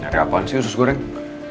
dari apaan sih usus goreng